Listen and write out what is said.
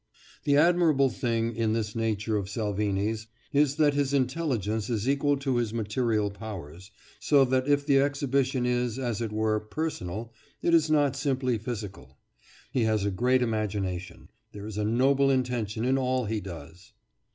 The admirable thing in this nature of Salvini's is that his intelligence is equal to his material powers, so that if the exhibition is, as it were, personal, it is not simply physical. He has a great imagination: there is a noble intention in all he does.